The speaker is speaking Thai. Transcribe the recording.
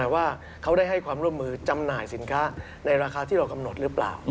ว่าเขาได้ให้ความร่วมมือจำหน่ายสินค้าในราคาที่เรากำหนดหรือเปล่า